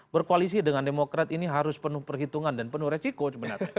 berkoalisi dengan demokrat ini harus penuh perhitungan dan penuh resiko sebenarnya